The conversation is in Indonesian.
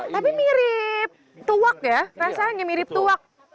tapi mirip tuak ya rasanya mirip tuak